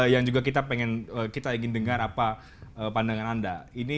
yang juga kita ingin dengar apa pandangan anda